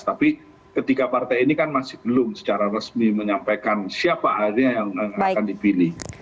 tapi ketika partai ini kan masih belum secara resmi menyampaikan siapa akhirnya yang akan dipilih